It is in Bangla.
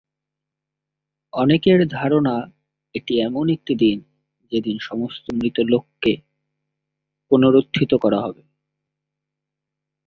অনেকের ধারণা, এটি এমন একটি দিন যেদিন সমস্ত মৃত লোককে পুনরুত্থিত করা হবে।